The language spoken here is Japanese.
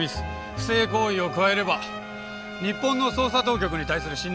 不正行為を加えれば日本の捜査当局に対する信頼はゼロに等しい。